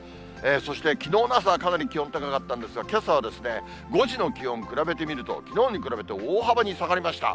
そして、きのうの朝はかなり気温高かったんですが、けさは５時の気温比べてみると、きのうに比べて大幅に下がりました。